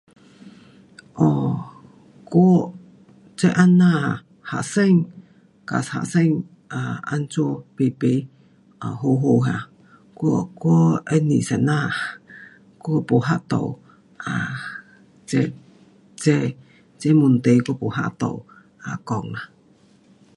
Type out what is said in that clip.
um 我这这样学生跟学生 um 怎样排排 um 好好哈？我，我喜欢老师 um，我没办法 um 这，这，这问题，我没办法 um 讲啊。